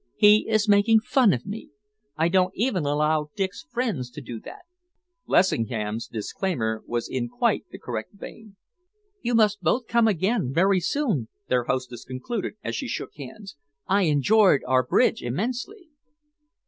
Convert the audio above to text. He is making fun of me. I don't allow even Dick's friends to do that." Lessingham's disclaimer was in quite the correct vein. "You must both come again very soon," their hostess concluded, as she shook hands. "I enjoyed our bridge immensely."